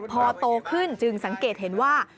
พอโตขึ้นจึงสังเกตเห็นว่า